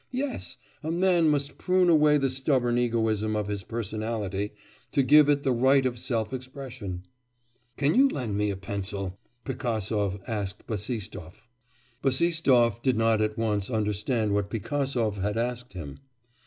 Yes! a man must prune away the stubborn egoism of his personality to give it the right of self expression.' 'Can you lend me a pencil?' Pigasov asked Bassistoff. Bassistoff did not at once understand what Pigasov had asked him.